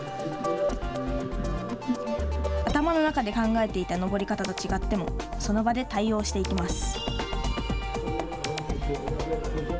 頭の中で考えていた登り方と違ってもその場で対応していきます。